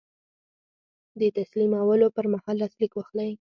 د تسلیمولو پر مهال لاسلیک واخلئ.